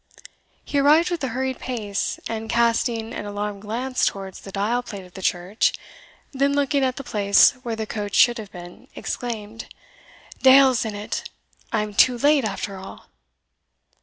He arrived with a hurried pace, and, casting an alarmed glance towards the dial plate of the church, then looking at the place where the coach should have been, exclaimed, "Deil's in it I am too late after all!"